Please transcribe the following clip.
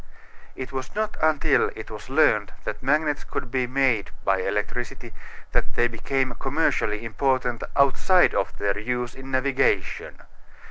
It was not until it was learned that magnets could be made by electricity that they became commercially important outside of their use in navigation.